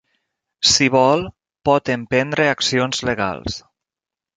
Si vol, pot emprendre accions legals.